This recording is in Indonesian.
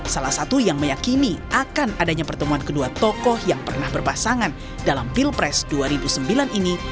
salah satu yang meyakini akan adanya pertemuan kedua tokoh yang pernah berpasangan dalam pilpres dua ribu sembilan ini